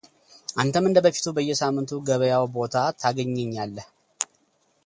አንተም እንደበፊቱ በየሳምንቱ ገበያው ቦታ ታገኘኛለህ፡፡